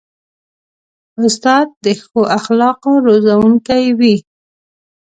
استاد د ښو اخلاقو روزونکی وي.